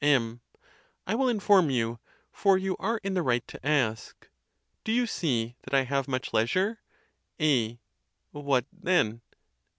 MM. I will inform you, for you are in the right to ask. Do you see that I have much leisure ? A. What, then